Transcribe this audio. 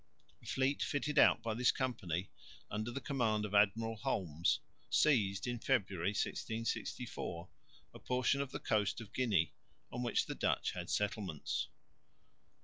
A fleet fitted out by this company under the command of Admiral Holmes seized, in February, 1664, a portion of the coast of Guinea on which the Dutch had settlements.